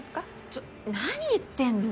ちょ何言ってんの？